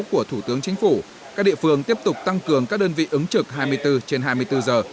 của thủ tướng chính phủ các địa phương tiếp tục tăng cường các đơn vị ứng trực hai mươi bốn trên hai mươi bốn giờ